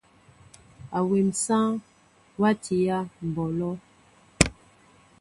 Awém sááŋ watiyă ɓɔlɔ.